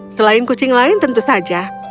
selain kucing lain tentu saja